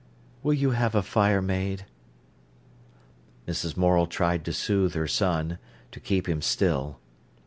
"Will you have a fire made?" Mrs. Morel tried to soothe her son, to keep him still.